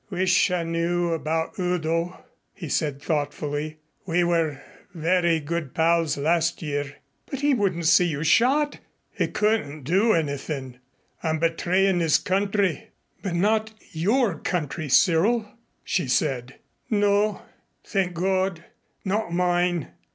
"Wish I knew about Udo," he said thoughtfully. "We were very good pals last year." "But he wouldn't see you shot!" "He couldn't do anythin'. I am betrayin' his country." "But not your country, Cyril," she said. "No, thank God. Not mine.